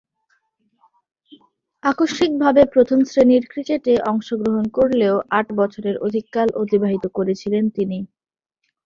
আকস্মিকভাবে প্রথম-শ্রেণীর ক্রিকেটে অংশগ্রহণ করলেও আট বছরের অধিককাল অতিবাহিত করেছিলেন তিনি।